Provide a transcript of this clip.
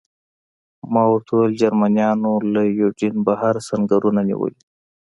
ما ورته وویل: جرمنیانو له یوډین بهر سنګرونه نیولي.